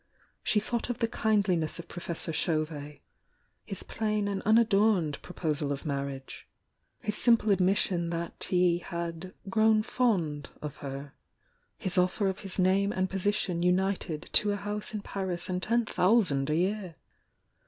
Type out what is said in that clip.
She thought of the kindliness of Professor Chauvet,~his plain and unadorned proposal of marriage, — his simple admission that he had "grown fond" of her,— his offer of his name and position united to a house in Paris and ten thousand a year!